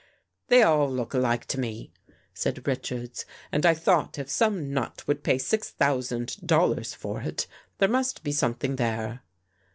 " They all look alike to me," said Richards, " and I thought if some nut would pay six thousand dol lars for it, there must be something there."